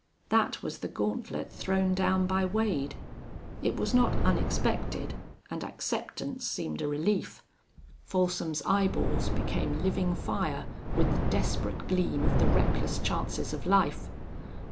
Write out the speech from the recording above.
That was the gauntlet thrown down by Wade. It was not unexpected, and acceptance seemed a relief. Folsom's eyeballs became living fire with the desperate gleam of the reckless chances of life.